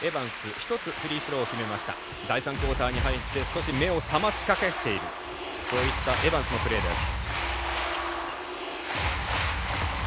第３クオーターに入って少し目を覚ましかけているそういったエバンスのプレーです。